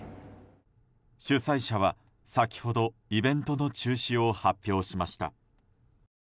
主催者は先ほどイベントの中止を発表しました。